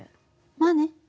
まあね。